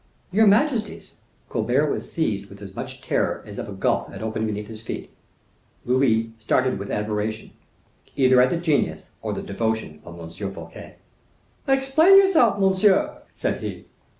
"Your majesty's." Colbert was seized with as much terror as if a gulf had opened beneath his feet. Louis started with admiration, either at the genius or the devotion of Fouquet. "Explain yourself, monsieur," said he.